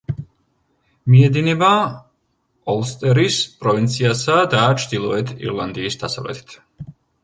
მიედინება ოლსტერის პროვინციისა და ჩრდილოეთ ირლანდიის დასავლეთით.